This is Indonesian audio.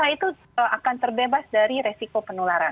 itu akan terbebas dari resiko penularan